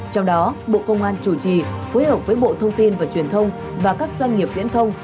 trong đó bộ công an chủ trì phối hợp với bộ thông tin và truyền thông và các doanh nghiệp viễn thông